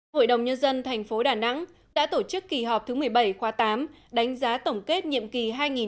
hội đồng nhân dân tp đà nẵng đã tổ chức kỳ họp thứ một mươi bảy khóa tám đánh giá tổng kết nhiệm kỳ hai nghìn một mươi một hai nghìn một mươi sáu